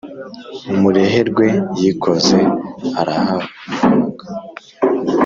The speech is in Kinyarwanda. mureherwa yikoze arahavunga!